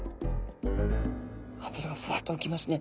脂がふわっと浮きますね。